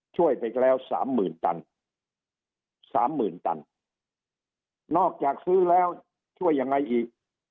ช่วยไปอีกแล้วสามหมื่นตันสามหมื่นตันนอกจากซื้อแล้วช่วยยังไงอีก